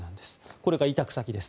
これが委託先です。